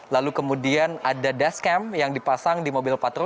lalu kemudian ada dash camp yang dipasang di mobil patro